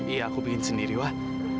iya aku ingin sendiri wah